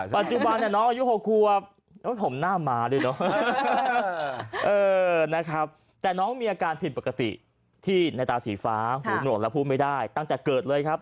ปัจจุบันน้องอายุ๖ควบผมหน้าหมาด้วยเนอะนะครับแต่น้องมีอาการผิดปกติที่ในตาสีฟ้าหูหนวดแล้วพูดไม่ได้ตั้งแต่เกิดเลยครับ